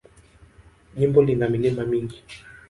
Jimbo lina milima mingi.